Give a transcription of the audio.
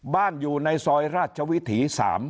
อยู่ในซอยราชวิถี๓